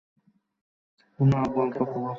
শুধু একবার তাকে দেখার জন্য।